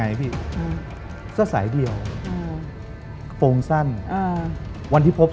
ใส่ชุดยังไงพี่